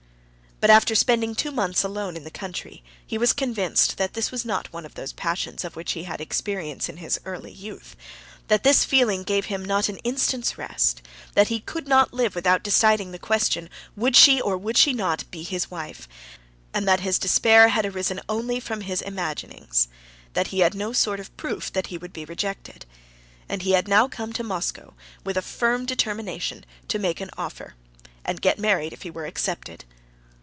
But after spending two months alone in the country, he was convinced that this was not one of those passions of which he had had experience in his early youth; that this feeling gave him not an instant's rest; that he could not live without deciding the question, would she or would she not be his wife, and that his despair had arisen only from his own imaginings, that he had no sort of proof that he would be rejected. And he had now come to Moscow with a firm determination to make an offer, and get married if he were accepted.